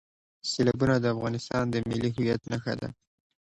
سیلابونه د افغانستان د ملي هویت نښه ده.